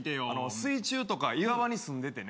水中とか岩場にすんでてね